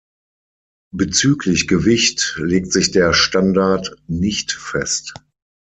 Bezüglich Gewicht legt sich der Standard nicht fest.